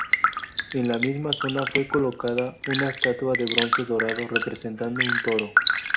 En la misma zona fue colocada una estatua de bronce dorado representando un toro.